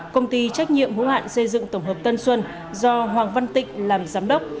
công ty trách nhiệm hữu hạn xây dựng tổng hợp tân xuân do hoàng văn tịnh làm giám đốc